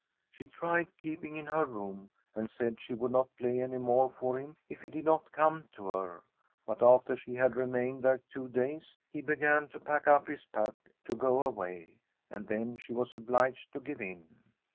She tried keeping in her room, and said she would not play any more for him if he did not come to her. But after she had remained there two days, he began to pack up his pack to go away, and then she was obliged to give in.